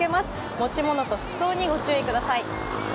持ち物と服装にご注意ください。